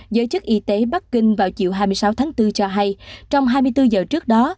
giới chức y tế bắc kinh vào chiều hai mươi sáu tháng bốn cho hay trong hai mươi bốn giờ trước đó